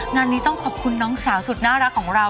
งานนี้ต้องขอบคุณน้องสาวสุดน่ารักของเรา